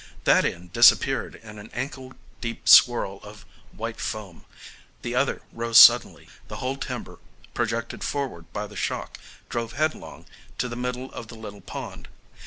That end disappeared in an ankle deep swirl of white foam, the other rose suddenly, the whole timber, projected forward by the shock, drove headlong to the middle of the little pond.